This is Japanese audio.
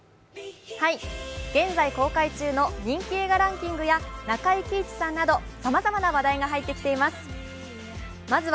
現在公開中の人気映画ランキングや中井貴一さんなど、さまざまな話題が入ってきています。